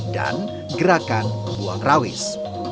dan gerakan buang rawis